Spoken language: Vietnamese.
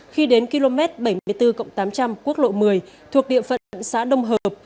khi đến km bảy mươi bốn tám trăm linh quốc lộ một mươi thuộc địa phận xã đông hợp